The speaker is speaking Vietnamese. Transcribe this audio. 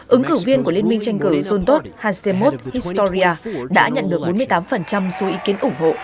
ứng cử viên của liên minh tranh cử zontot hacemot historia đã nhận được bốn mươi tám số ý kiến ủng hộ